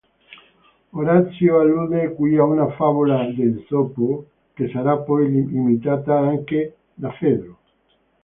Orazio allude qui a una favola d'Esopo, che sarà poi imitata anche da Fedro.